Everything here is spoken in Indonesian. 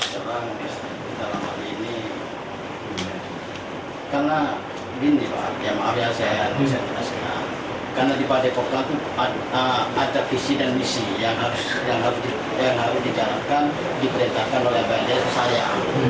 ya ya saya sekarang dalam hal ini karena ini lho ya maaf ya saya karena di padebongan itu ada visi dan misi yang harus dijarakan diberitakan oleh bnr saya